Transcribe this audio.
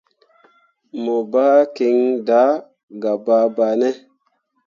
Mo ɓah kiŋ dah gah babane.